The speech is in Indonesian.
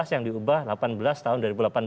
yang diubah delapan belas tahun dua ribu delapan belas